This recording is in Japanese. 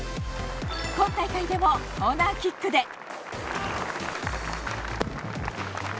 今大会でもコーナーキックで。